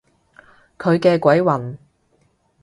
佢嘅鬼魂？